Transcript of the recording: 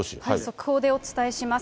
速報でお伝えします。